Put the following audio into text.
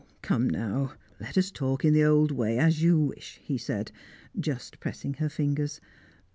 "Come now, let us talk in the old way, as you wish," he said, just pressing her fingers.